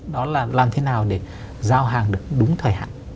đó là làm thế nào để giao hàng được đúng thời hạn